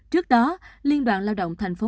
trước đó liên đoạn lao động thành phố